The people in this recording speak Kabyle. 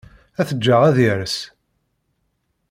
Ad t-ǧǧeɣ ad yers.